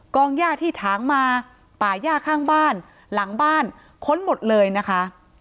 ย่าที่ถางมาป่าย่าข้างบ้านหลังบ้านค้นหมดเลยนะคะ